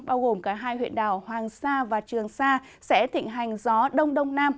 bao gồm cả hai huyện đảo hoàng sa và trường sa sẽ thịnh hành gió đông đông nam